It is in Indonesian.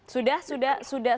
sudah sudah sudah